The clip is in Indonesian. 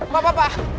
pak pak pak